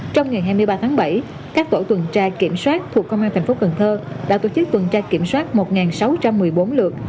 trong ngày hai mươi ba tháng bảy các tổ tuần tra kiểm soát thuộc công an thành phố cần thơ đã tổ chức tuần tra kiểm soát một sáu trăm một mươi bốn lượt